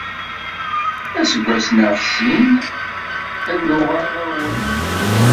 Aseggas neɣ sin ad n-uɣaleɣ ɣur-wen.